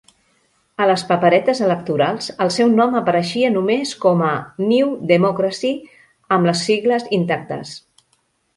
A les paperetes electorals, el seu nom apareixia només com a "New Democracy" amb les sigles intactes.